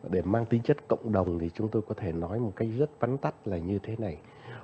để mang tính chất cộng đồng thì chúng tôi có thể nói một cách rất vắn tắt là như thế này